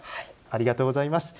ありがとうございます。